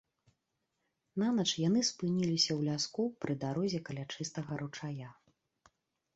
Нанач яны спыніліся ў ляску пры дарозе каля чыстага ручая.